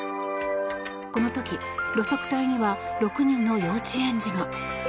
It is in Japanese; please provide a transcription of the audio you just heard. この時、路側帯には６人の幼稚園児が。